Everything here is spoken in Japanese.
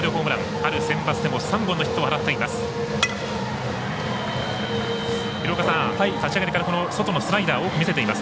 春センバツでも３本のヒットを放っています。